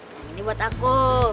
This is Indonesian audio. yang ini buat aku